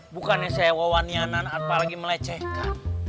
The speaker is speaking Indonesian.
bukannya saya wawannya nan apalagi melecehkan